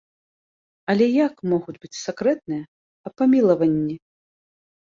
Але як могуць быць сакрэтныя аб памілаванні?